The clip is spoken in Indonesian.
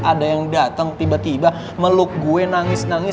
ada yang datang tiba tiba meluk gue nangis nangis